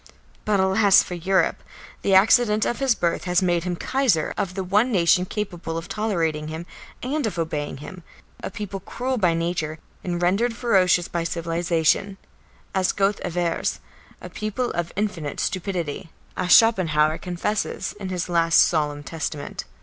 But alas for Europe! the accident of his birth has made him Kaiser of the one nation capable of tolerating him and of obeying him a people cruel by nature and rendered ferocious by civilisation, as Goethe avers; a people of infinite stupidity, as Schopenhauer confesses in his last solemn testament.